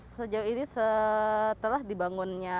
sejauh ini setelah dibangunnya